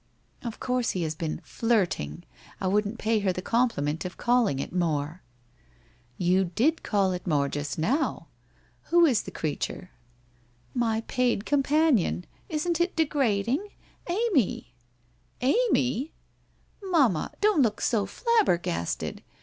' Of course he has been " flirting," I wouldn't pay her the compliment of calling it more.' ' You did call it more just now. Who is the creature ?' WHITE ROSE OF WEARY LEAF 179 % My paid companion — isn't it degrading ? Amy !' 'Amy!' • Mamma, don't look so flabbergasted